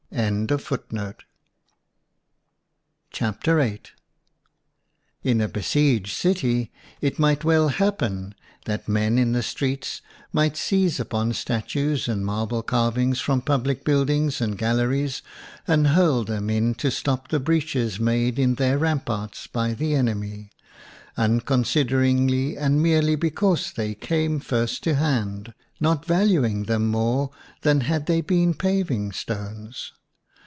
VIII In a besieged city, it might well hap pen that men in the streets might seize upon statues and marble carvings from public buildings and galleries and hurl them in to stop the breaches made in their ramparts by the enemy, unconsid eringly and merely because they came first to hand, not valuing them more than had they been paving stones.